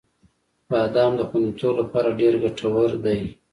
• بادام د خوندیتوب لپاره ډېر ګټور دی.